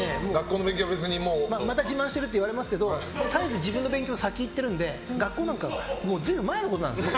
また自慢してるって言われますけど絶えず自分の勉強が先に行っているので随分前のことなんですね。